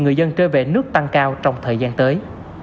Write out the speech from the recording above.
người dân trở về nước tăng cao trong thời gian tới